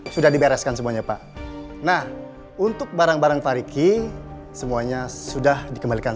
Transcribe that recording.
sudah dibereskan semuanya pak nah untuk barang barang pariki semuanya sudah dikembalikan